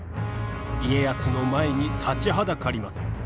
家康の前に立ちはだかります。